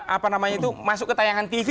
apa namanya itu masuk ke tayangan tv